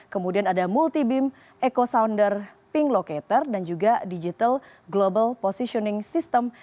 kemudian ada multi beam echo sounder ping locator dan juga digital global positioning system